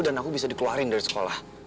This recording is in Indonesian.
dan aku bisa dikeluarin dari sekolah